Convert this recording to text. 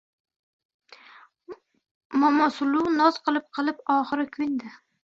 Momosuluv noz qilib-qilib, oxiri ko‘ndi!